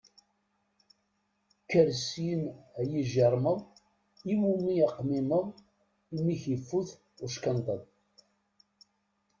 Kker syin a yijiṛmeḍ, iwumi aqmimmeḍ, imi k-ifut uckenṭeḍ?